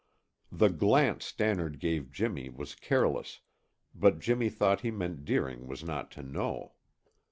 The glance Stannard gave Jimmy was careless, but Jimmy thought he meant Deering was not to know.